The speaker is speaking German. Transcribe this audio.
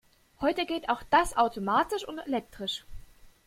Heute geht auch das automatisch und elektrisch.